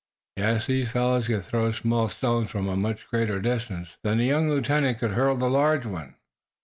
Yes! These fellows could throw small stones from a much greater distance than the young lieutenant could hurl the large one.